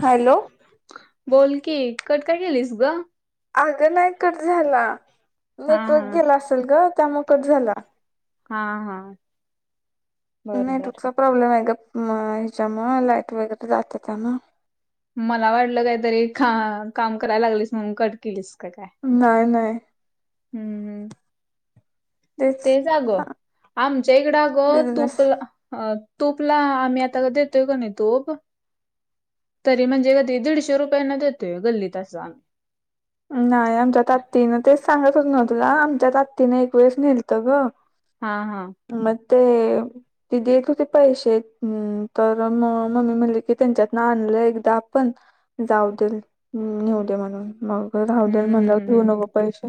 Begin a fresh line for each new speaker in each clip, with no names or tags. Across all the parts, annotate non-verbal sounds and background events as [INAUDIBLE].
Hello!
बोल की, cut का केेलीस ग?
अगं नाही कट झाला,
हा
नेटवर्क
हा
गेला असेल ग त्यामुळ कट झाला.
हा हा बर बर.
नेटवर्कचा प्रॉब्लेम आहे ग म ह्याच्यामुळ लाईट वगैरे जाता त्यान.
मला वाटलं काहीतरी खा काम करायला लागलीस म्हणून कट केलीस की काय.
नाय नाय.
हम्म-हम्म तेच अग, आमच्या इकडं अग
बिझनेस
तुप अं तूपला आम्ही आता देतोय का नाई तूप तरी म्हणजे कती दीडशे रुपयांना देतोय गल्लीत आस आम्ही.
नाय आमच्या आतीनं तेच सांगत होत नव्ह ना आमच्या आतीनं एक वेळेस नेलतं ग.
हां हां
म ते ती देत होती पैसे हम्म तर म मम्मी म्हणली की त्यांच्यात ना आणलं एकदा आपण जाऊ देल नेऊ दे म्हणून मग राहूदे
हम्म
देल
हम्म
म्हणल्यावर घिऊ
हम्म.
न पैसे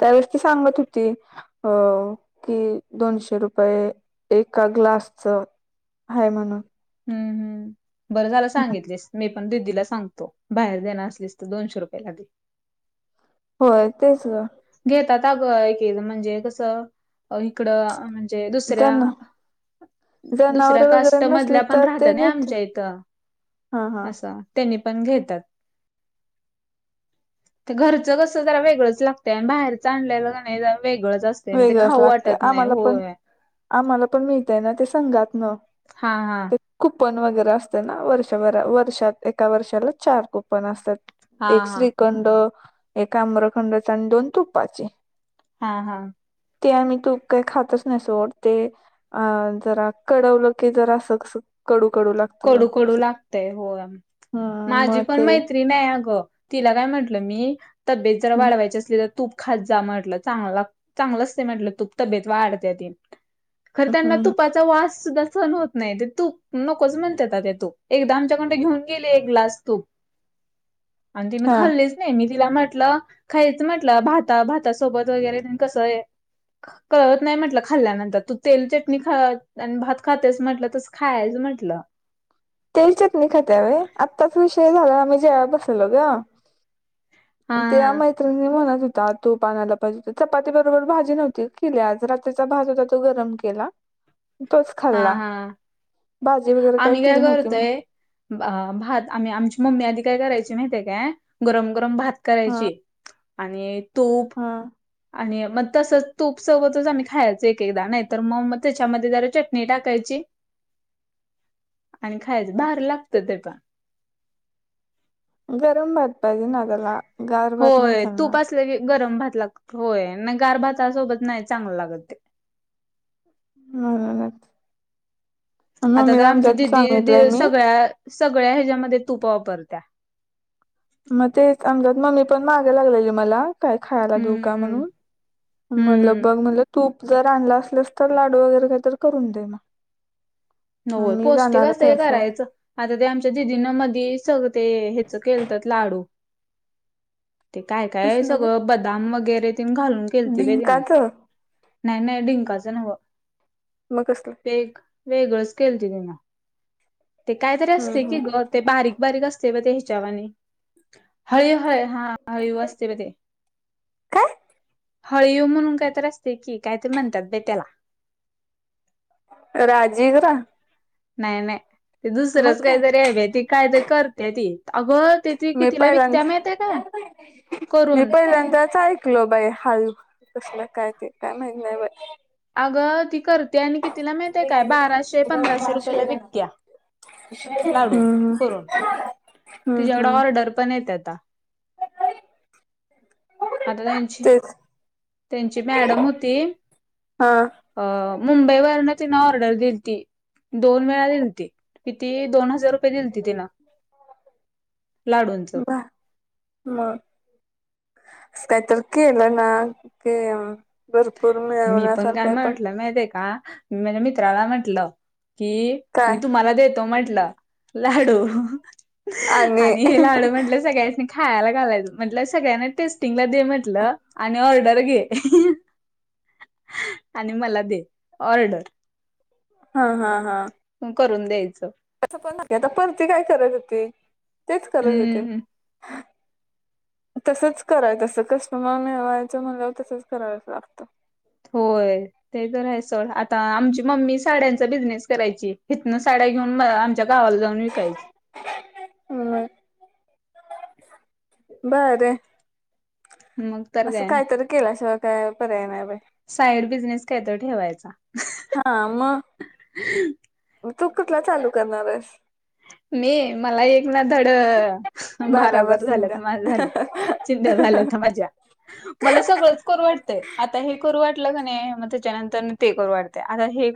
त्यावेळेस ती सांगत होती अ की दोनशे रुपये एका ग्लासचं, आहे म्हणून.
हम्म-हम्म बरं झालं सांगितलेस मी मी पण दीदीला सांगतो बाहेर देणार असलीस तर दोनशे रुपये ला दे.
होय तेच ग.
घेतात अग एक-एक म्हणजे कसं इकडं म्हणजे दुसऱ्या
जन जनावर
दुसऱ्या
वगैरे
कास्ट
नसली
मधल्या पण
तर
राहत्या
ते
ना
घेतले
आमच्या इथं
हा हा
असं. त्यांनी पण घेतात, ते घरचं कस जरा वेगळंच लाग त्या बाहेरच आणलेल कणी जरा वेगळंच असते अन ते
वेगळंच
खाऊ
लागतय
वाटत नाही
आम्हाला पण
होय.
आम्हाला पण मिळतंय ना ते संघातन.
हा-हा.
कूपन वगैरे असत ना वर्षभरा वर्षात एका वर्षाला चार कुपन असतात.
हा
एक
हा
श्रीखंड, एक आम्रखंडचा अन दोन तु्पाचे.
हां-हां.
ते आम्ही तूप काही खातच नाही सोड ते. अ जरा कढवलं की जरा सुक-सुक
कडू-कडू लागते होय
हम्म
माझी
मग
पण
ते
मैत्री ती नाय अग तिला काय म्हटलं मी तब्येत जर
हम्म
वाढवायची असली तर तूप खात जा म्हटलं चांगल लाग चांगलं असत म्हटलं तूप तब्येत वाढतेती. खरं त्यांना
हम्म
तुपाचा वास सुद्धा सहन होत नाही ते तूप न नकोच म्हणत्याता त्या तूप, एकदा आमच्याकडन त्या घेऊन गेले एक ग्लास तूप. आणि तिन
हा
खाल्लेच नाही मी तिला म्हटलं खायच म्हटलं भाता-भातासोबत वगैरे कसं हे कळत नाही म्हटलं खाल्ल्यानंतर तू तेल चटणी खा अन भात खातेस म्हटलं तस खायच म्हंट ला
तेल चटणी खात्या व्हय आत्ताच विषय झाला आम्ही जेवाया बसवलो ग.
हा
त्या मैत्रिणी म्हणत होता तूप आणायला पाहिजे चपाती बरोबर भाजी नव्हतीव केली आज रात तीचा भात होता तो गरम केला. तोच
हा
खाल्ला.
हा
भाजी वगैरे
आम्ही काय
केली नव्हती मग
करतोय. ब आ भात आम्ही आमची मम्मी आधी काय करायची माहिेतीये काय गरम-गरम भात
हा
करायची आणि तूप
हा
आणि मग तसंच तूप सोबतच आम्ही खायच एक-एकदा नाही तर म.. मग त्याच्यामध्ये जरा चटणी टाकायची. आणि खायचं. भारी लागत ते पण.
गरम भात. पाहिजे ना...? त्याला गार भात नाही
होय... तूप
चालणार
आस... गरम भात लागत.. होय. नाही गार भाता सोबत नाही चांगलं लागत ते.
म्हणूनच..
आता तर
मम्मीला
आमची
आमच्यात
दिदी दि....
सांगितलंय मी
सगळ्या -सगळ्या ह्याच्यामध्ये तुप वापरत्या.
म... तेच आमच्या त मम्मी पण माग लागलेली मला. काय खायला देऊ
हम्म
का
हम्म
म्हणून...
हम्म
म्हटलं... बघ
हम्म
म्हणल तूप जर आणल असलस तर लाडू वगैरे काही तर करून दे म..
होय पौष्टिक असतं हे
आहे सोड
करायचं... आता ते आमच्या दिदींन मध्यी सगं.. ते ह्याच केलतत लाडू. ते काय -काय
कसलं ग
सगळं बदाम वगैरे तेन घालून केलती बाय तिन.
डिंकाच
नाही -नाही डिंकाच न्हव.
म.. कसलं?
एक. वेगळंच केल त तिन. ते काहीतरी
हम्म
असतय की
हम्म.
गं ते बारीक- बारीक असतय ब ते ह्याच्यावानी हळीव.. हळ.. हा हळीव असतय ब ते....
काय
हळीव म्हणून काय तरीअसतय की कायतरी म्हणत्यात बाय त्याला.
राजिगिरा....
नाय-नाय.. ते दुसरंच
काय
काहीतरी हाय बाय ती कायतरी करत्या ती. अगं ते
मी
कितीला विकत्या
पहिल्यांदा
माहिती आहे काय? करून..
मी पहिल्यांनदाच आयक... ऐकलं बाय हाळीव कसलं काय ते काय माहिती नाही बाई.
अगं ती करत्या आणि कितीला माहितीए काय बाराशे -पंधराशे रुपयाला विकत्या. लाडू.
हम्म
करून.
हम्म
तिच्याकडं
हम्म
ऑर्डर पण येत्याता. आता त्यांची....
तेच
त्यांची मॅडम होती..
हा
अ.... मुंबईवरन तिनं ऑर्डर दिलती. दोन वेळा दिलती. किती दोन हजार रुपये दिलती. तिन. लाडूंचं....
म... असं काय तर केल ना... कि.... भरपूर मिळ.....
मी पण काय म्हटलं माहिती हे का...? मी माझ्या मित्राला म्हंटल. की..
काय
मी तुम्हाला देतो म्हटलं.. लाडू... आणि हे लाडू म्हटलं सगळ्यासनी.. खायला घालायचं म्हटल. सगळ्यांना टेस्टिंगला दे म्हटलं आणि ऑर्डर घे. आणि मला दे. ऑर्डर.
हा... हा.. हा.
करून द्यायचं...
आता परती काय करत हो ती.. तेच करत होती.
हम्म. [UNINTELLIGIBLE]
तसंच करायच असत कस्टमर मिळवायचं म्हणल्यावर तसंच करायच लागतं.
होय..... ते तर हायंच सोड आता आमची मम्मी साड्यांचा बिझनेस करायची इथनं साड्या घेऊन आ... त्या गावाला जाऊन विकायची
ह भारी आहे
मग तर
असं
काय
काहीतरी केल्याशिवाय काय पर्याय नाही बाई.
साईड बिझनेस काय तर ठेवायचा.
हा मग तू कसला कुठला चालू करणारस?
मी मला एक ना धड
बारावर
भाराबर झाल्यात
शिंद्या
माझ झालं चिंध्या झाल्यात माझ्या. मला सगळंच करू वाटतय आता हे करू वाटलं कणी मग त्याच्यानंतर ते करू वाटतय आता हे.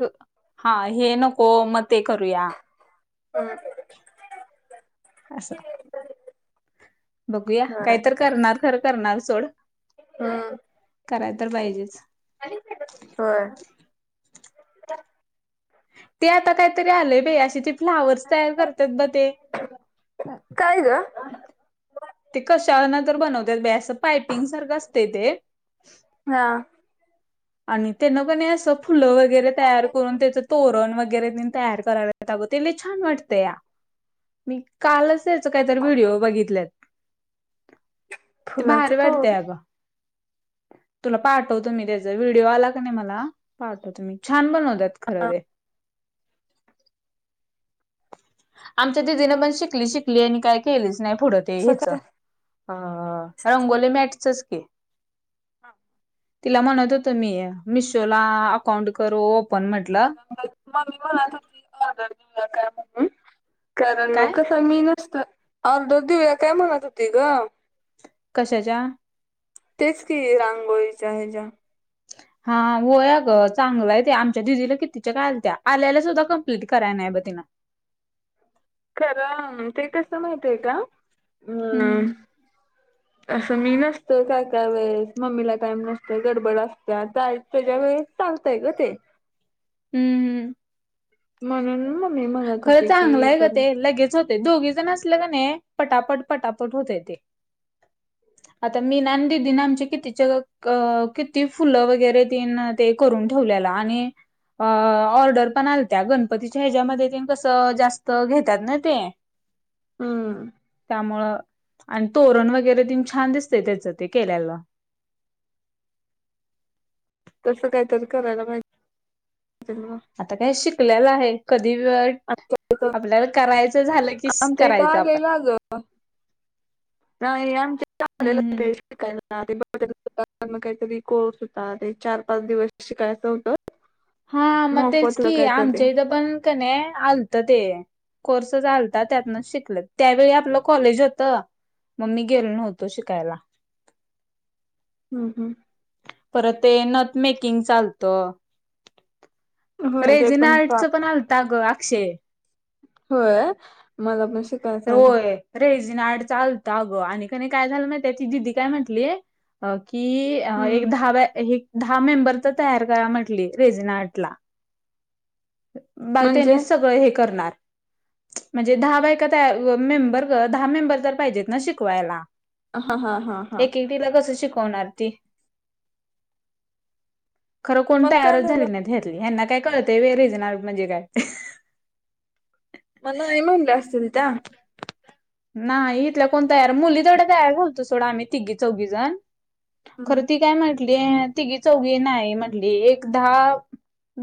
हा हे नको मग ते करूया
ह.
असं बघूया काही तर करणार खरं करणार सोड
हम्म.
कराय तर पाहिजेच
व्हय
ते आता काहीतरी आलंय बाई अशी ते फ्लावर्स तयार करतात ब ते
काय ग?
ते कशाना तर बनवतात बाई असं पायपिंग सारखं असते ते
हा.
आणि त्यान पण असं फुलं वगैरे तयार करून त्याचं तोरण वगैरे तेन तयार करून कराल्यात अगं ते लय छान वाटतय मी कालच त्याच काहीतर व्हिडिओ बघितल्यात ते
फुलाच
भारी वाटतंय
तोरण
अग तुला पाठवतो मी त्याच व्हिडिओ आला का नाही मला पाठवतो मी तुला छान बनवत खर ते आमच्या दिदीनं पण शिकली शिकली आणि काय केलीच नाही पुढ ते ते
कसं
ह्याच
काय?
अ रंगोली मॅटचच की
हा.
तिला म्हणत होतं मी मिशोला अकाउंट करू ओपन म्हटलं
म मम्मी म्हणत होती मला तुझ ऑदर दिला का म्हणून कर
काय
कस मी नसत ऑर्डर देऊया काय म्हणत होती ग
कशाच्या?
तेच की रांगोळीच ह्याच्या
हा हो अगं चांगलंय ते आमच्या दिदीला कितीच्या काय आल्याला सुद्धा कम्प्लीट कराय नाही बघ तीन
खरं ते कसं माहित आहे का? अम.
हम्म
असं मी नसतो काय काय वेळेस मम्मीला टाईम नसतोय गडबड असत्या कारण त्याच्या वेळेस चालतंय ग ते
हम्म हम्म
म्हणून मम्मी म्हणत
खरं
होती की
चांगलंय ग
करून
ते लगेच हो होतय दोघी जण असलं का नाही पटापट पटापट होतय ते आता मीन आणि दीदीन आमच्या कितीच्या किती फुलं वगैरे तेन करून ठेवल्याला आणि ऑर्डर पण आलत्या गणपतीच्या ह्याच्यामध्ये ते तेन कसं जास्त घेतात ना ते
हम्म
त्यामुळं आणि तोरण वगैरे तेन छान दिसते त्याचं ते केल्याला
तसं कायतरी करायला पाहिजे
आता काय शिकलेला आहे कधी पण
मग
आपल्याला करायचं झालं की
आमच्या इथं
करायचं आपण.
आलेला ग नाही आमच्या लेलं
हम्म
हो
हम्म
ते शिकायला ते मग काहीतरी कोर्स होता ते चार पाच दिवस शिकायचं होतं
हा मग तेच
मोफतलं
कि
काहीतरी
आमच्या इथं पण कने आलत ते. कोर्सच आलता त्यातन शिकले त्यावेळी आपलं कॉलेज होत. म मी गेलो नव्हतो शिकायला.
हम् हम्
परत ते नथ मेकिंग चालतं.
हम्म होय ते
रेजिना आर्ट
चा
चं पण आलत ग आक्षे
होय मला पण श
तर होय. रेजिनआर्टच आलत अगं आणि कणी काय झालं माहिती ती दिदी काय म्हंटली की अ
हम्म
एक दहा दहा मेंबर तर तयार करा म्हटली रेजनआर्टला. बाळ
म्हणजे
त्यांनी सगळं हे करणार म्हणजे दहा बायका त्या मेंबर दहा मेंबर तर पाहिजेत ना शिकवायला.
हा हा हा हा.
तुला कसं शिकवणार ती खरं कोण
मग काय
तयारच
झालं
झाली नाहीत ह्यांना काय कळतं व्हय रिजन आर्ट म्हणजे काय.
म नाही म्हणाल्या असतील त्या.
नाही इथल्या कोण तयार मुली तेवढ्या तयार झालतो सोडं आम्ही तिघी चौघी जण
हम्म
खरं ति काय म्हटली तिघी चौघी नाही म्हंटली एक दहा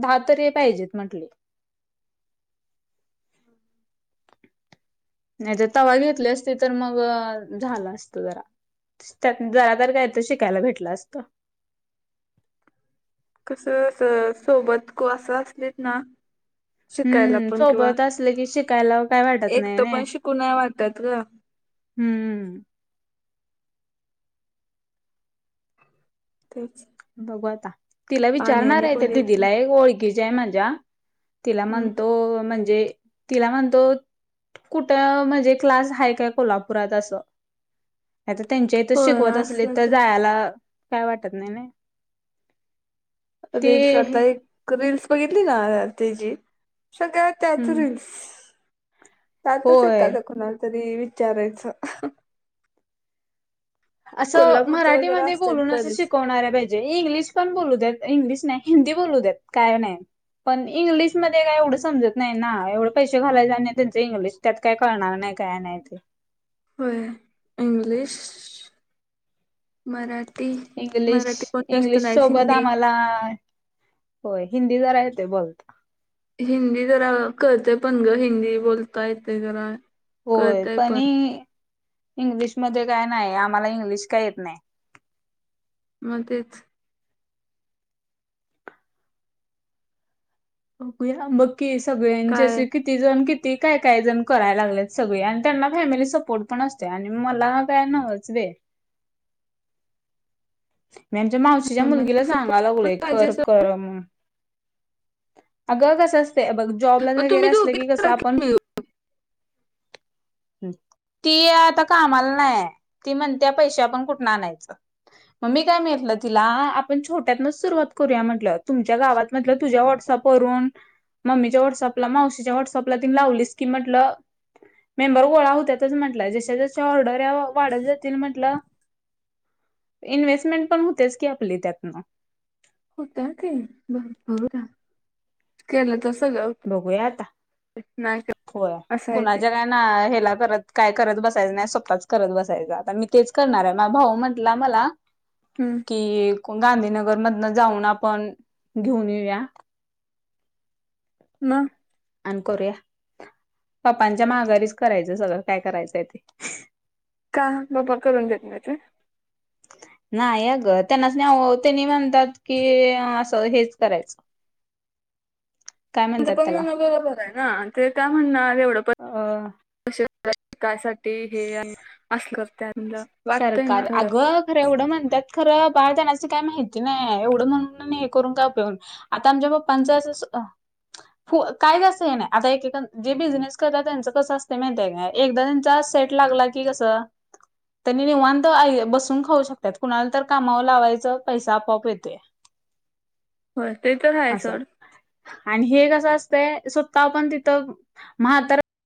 दहा तरी पाहिजेत म्हंटले नाही तर तवा घेतले असते तर मग झाला असत जरा. त्यातंन जरा तर काय तर शिकायला भेटलं असतं.
कसं अस सोबत कोण असं असलीत ना शिकायला
हम्म
पण किंवा
सोबत असले कि शिकायला काय वाटत नाही
एकटं
ना
पण शिकू नाही वाटत ग
हम्म
तेच
बघू आता तिला
पाणी
विचारणार
आणि
आहे त्या
कधी येतं
दिदीला एक ओळखीच्या आहे माझ्या. तिला
हम्म
म्हणतो म्हणजे तिला म्हणतो कुठं म्हणजे क्लास आहे काय कोल्हापुरात असं. आता त्यांच्या इथ
होय
शिकवत असलीत
असलं
तर जायला काय वाटत नाही ना. ते
रीलल्स आता एक रीलल्स बघितली ना त्याची सगळ्या त्याच
हम्म
रिल्स त्यातच
होय.
एकाला कोणाला तरी विचारायचं
असं
कोल्हापूरचं वगैरे
मराठीमध्ये
असतात
बोलून असं
बरेच
शिकवणाऱ्या पाहिजेत म्हे इंग्लिश पण बोलू देत इंग्लिश नाही हिंदी बोलू देत काय नाही पण इंग्लिशमध्ये काय एवढं समजत नाही ना एवढे पैसे घालायचे नाही त्यांचं इंग्लिश त्यात काही कळणार नाही काय नाही ते
होय इंग्लीश मराठी
इंग्लिश
मराठी कोण जास्त
इंग्लिश
नाहीत
सोबत
हिंदी
आम्हाला होय हिंदी जरा येतंय बोलता
हिंदी जरा कळतंय पण ग हिंदी बोलता येतंय जरा
होय पण इंग्लिशमध्ये काय नाही आम्हाला इंग्लिश काय येत नाहीं
म तेच.
बघूया बगकी, सगळ्यांचे
काय
असे कि ती जण, किती काय-काय जण करायला लागलेत, सगळे आणि त्यांना फॅमिली सपोर्ट पण असतोया आणि मला का नच बे. मी यांच्या मावशीच्या, मुलगीला
फॅमिली
सांगाय
सपोर्ट
लागलो,
पण पाहिजे असं
कर-कर म अग कसं असत बघ, जॉबला
मग
वगैरे
तुम्ही
असलं,
दोघी
की कसं
करा
आपण
मिळून
[UNINTELLIGIBLE] ती आता कामाला नाहीय, ती म्हणतेया पैशे आपण कुठून आणायचे? मम्मी काय म्हटलं तिला, आपण छोट्यातनच सुरुवात करूया म्हटलं, तुमच्या गावात म्हटलं, तुझ्या व्हॉट्सअप करून, मम्मीच्या व्हॉट्सअपला, मावशीच्या व्हॉट्सअपला, तिने लावलीस की, म्हटलं मेंबर गोळा होत्यातच म्हटलं, जश-जशा ऑर्डर या वाढत जातील, म्हटलं इन्व्हेस्टमेंट पण होतेच की, आपली त्यातनं.
होता क, ब बघ केलं त सगळं होतंय
बघूया आता,
नाही केलं
होया,
असं आहे ते
कुणाच्या काय ना हेला परत, काय करत बसायचं नही, स्वतःच करत बसायचं, आता मी केस करणार ये, मा भाऊ म्हटला मला [UNINTELLIGIBLE]
हम्म.
कि गांधीनगर मधन जाऊन आपण, घेऊन येऊया.
म.
अन करूया, पाप्पांच्या माघारीच करायचं सगळं, काय करायचंय ते.
का, पप्पा करून देत नाहीत ओ?
नाही अ ग, त्यांनाच नाही ओ, त्यांनीच म्हणतात की, असं हेच करायचं. काय
तचं
म्हणतात
पण
त्याला
म्हणणं बर बर ना, ते काय म्हणण आ, एवढं पण
अ
ते हे, असल करते, आपलं.
सरकार, अगं खरं एवढं म्हणत्यात खरं, बाहेर जाण्याचं काही माहिती नाही, एवढं म्हण, हे करून का पेन आता आमच्या पप्पाच असं फ काय जासं हे नाय, आता एक-एक, जे बिझनेस करतात, त्यांच कसं असतय माहिती का? एकदा त्यांचा, सेट लागला की, कसं त्यांनी निवांत अई, बसून खाऊ शकतात, कुणाला तर कामावर लावायचं, पैसा आपआप येतोय. [UNINTELLIGIBLE]
हो, ते तर हाये,
असं
सोड.
आणि हे कसं असतंय, स्वत पण तिथ म्हातार